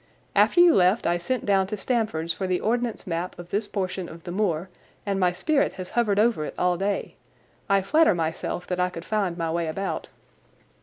After you left I sent down to Stamford's for the Ordnance map of this portion of the moor, and my spirit has hovered over it all day. I flatter myself that I could find my way about."